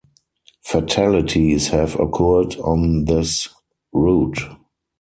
Fatalities have occurred on this route.